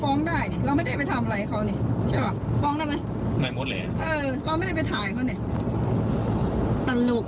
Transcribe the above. ฟ้องได้ไหมไม่มดเลยเออเราไม่ได้ไปถ่ายเขาเนี่ย